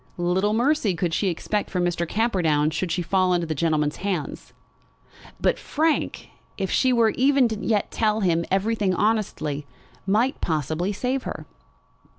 Little mercy could she expect from Mr. Camperdown should she fall into that gentleman's hands! But Frank, if she would even yet tell him everything honestly, might probably save her.